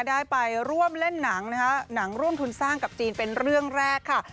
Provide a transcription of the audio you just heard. ได้ไปร่วมเล่นหนังนะคะหนังร่วมทุนสร้างกับจีนเป็นเรื่องแรกค่ะ